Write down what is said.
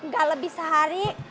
gak lebih sehari